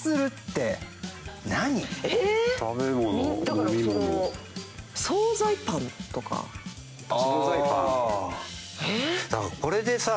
だからこれでさ。